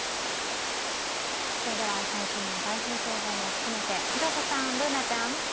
それでは、最新の台風情報も含めて、広瀬さん、Ｂｏｏｎａちゃん。